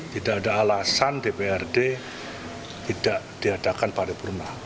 tidak ada alasan dprd tidak diadakan paripurna